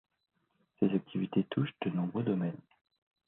Ses activités touchent de nombreux domaines.